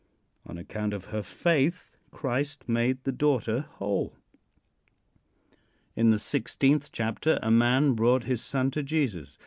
On account of her faith Christ made the daughter whole. In the sixteenth chapter a man brought his son to Jesus.